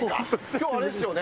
今日あれですよね？